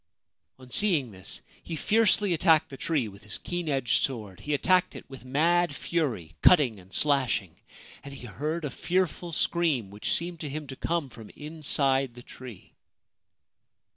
On seeing this he fiercely attacked the tree with his keen edged sword. He attacked it with mad fury, cutting and slashing ; and he heard a fearful scream which seemed to him to come from inside the tree.